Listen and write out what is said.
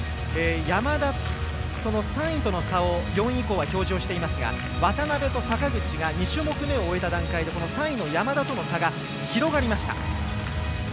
山田、３位との差を４位以降は表示していますが渡部と坂口が２種目めを終えた段階で３位の山田との差が広がりました。